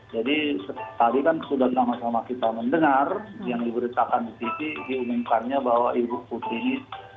jadi tadi kan sudah lama lama kita mendengar yang diberitakan di tv diumumkannya bahwa ibu putri ini